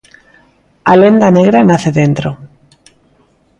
A lenda negra nace dentro.